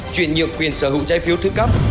chuyện nhượng quyền sở hữu trái phiếu thứ cấp